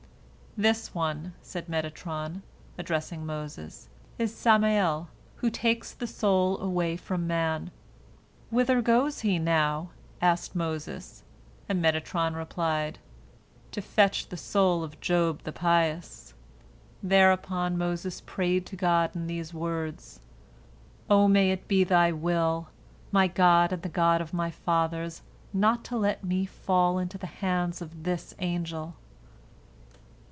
"This one," said Metatron, addressing Moses, "is Samael, who takes the soul away from man." "Whither goes he now?" asked Moses, and Metatron replied, "To fetch the soul of Job the pious." Thereupon Moses prayed to God in these words, "O may it be Thy will, my God and the God of my fathers, not to let me fall into the hands of this angel."